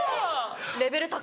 レベル高っ。